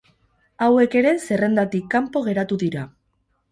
Hauek ere zerrendatik kanpo geratu dira.